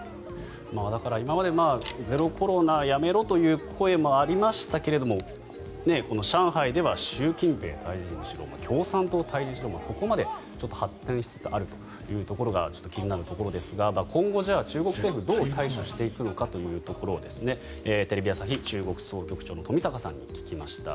今までゼロコロナをやめろという声もありましたが上海では習近平、退陣しろ共産党、退陣しろとそこまで発展しつつあるというところが気になるところですが今後、中国政府はどう対処していくのかというところテレビ朝日中国総局長の冨坂さんに聞きました。